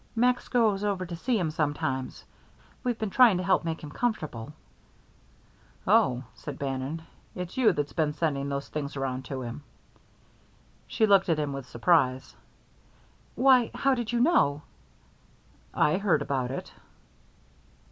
"Max goes over to see him sometimes. We've been trying to help make him comfortable " "Oh," said Bannon; "it's you that's been sending those things around to him." She looked at him with surprise. "Why, how did you know?" "I heard about it."